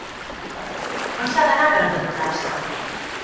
On s'ha d'anar per empadronar-se?